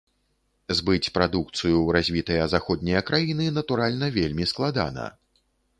Збыць прадукцыю ў развітыя заходнія краіны, натуральна, вельмі складана.